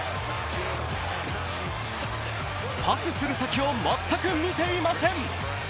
パスする先を全く見ていません！